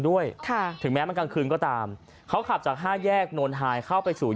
ด้วยค่ะถึงแม้มันกลางคืนก็ตามเขาขับจากห้าแยกโนนไฮเข้าไปสู่